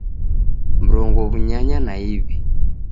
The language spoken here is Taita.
Mrongo w'unyanya na iw'i